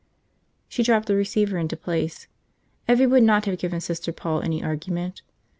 She dropped the receiver into place. Evvie would not have given Sister Paul any argument.